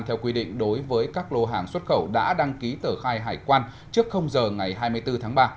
theo quy định đối với các lô hàng xuất khẩu đã đăng ký tờ khai hải quan trước giờ ngày hai mươi bốn tháng ba